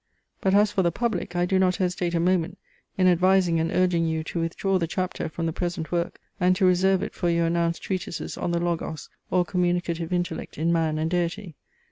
But as for the Public I do not hesitate a moment in advising and urging you to withdraw the Chapter from the present work, and to reserve it for your announced treatises on the Logos or communicative intellect in Man and Deity.